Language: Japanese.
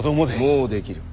もうできる。